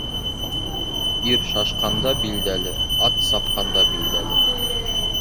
Ир шашҡанда билдәле, ат сапҡанда билдәле.